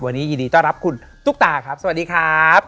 วันนี้ยินดีต้อนรับคุณตุ๊กตาครับสวัสดีครับ